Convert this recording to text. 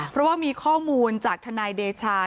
เพราะว่ามีข้อมูลจากทนายเดชา